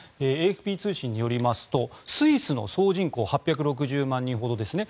ＡＦＰ通信によりますとスイスの総人口８６０万人ほどですね。